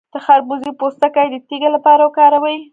د خربوزې پوستکی د تیږې لپاره وکاروئ